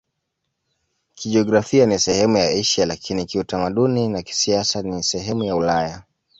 Kijiografia ni sehemu ya Asia, lakini kiutamaduni na kisiasa ni sehemu ya Ulaya.